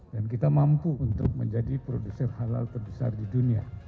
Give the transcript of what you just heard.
dan kita mampu untuk menjadi produser halal terbesar di dunia